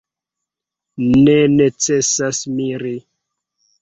Ne necesas miri.